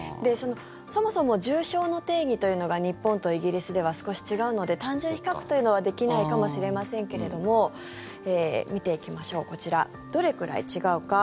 そもそも重症の定義というのが日本とイギリスでは少し違うので単純比較というのはできないかもしれませんけれども見ていきましょう、こちらどれくらい違うか。